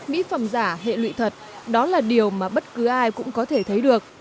mỹ phẩm giả hệ lụy thật đó là điều mà bất cứ ai cũng có thể thấy được